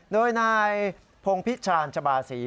โดยนายพงพิชาญจบาศรี